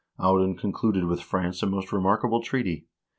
Audun concluded with France a most remarkable treaty.